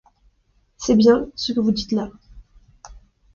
C'est bien, ce que vous dites là.